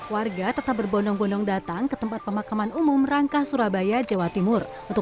warga tetap berbondong bondong datang ke tempat pemakaman umum rangka surabaya jawa timur untuk